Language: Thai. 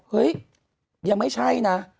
เฮ้ยยังไม่ใช่นะ